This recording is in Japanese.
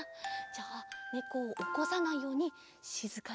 じゃあねこをおこさないようにしずかにしのびあし。